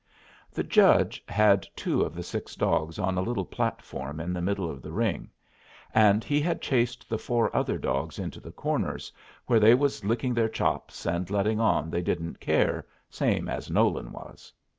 The judge had two of the six dogs on a little platform in the middle of the ring, and he had chased the four other dogs into the corners, where they was licking their chops, and letting on they didn't care, same as Nolan was.